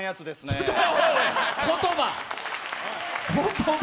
言葉！